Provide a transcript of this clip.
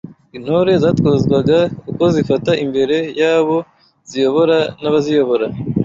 Intore zatozwaga uko zifata imbere y’abo ziyobora n’abaziyobora